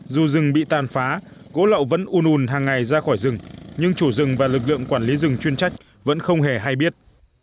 dù rừng bị tàn phá gỗ lậu vẫn un ùn hàng ngày ra khỏi rừng nhưng chủ rừng và lực lượng quản lý rừng chuyên trách vẫn không hề hay biết